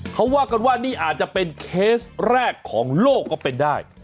เขาว่ากันว่านี่อาจจะเป็นเคสแรกของโลกก็เป็นได้